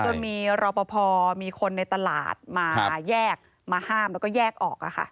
จนมีรอปภมีคนในตลาดมาแยกมาห้ามแล้วก็แยกออก